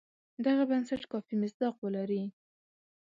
دغه بنسټ کافي مصداق ولري.